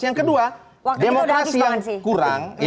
yang kedua demokrasi yang kurang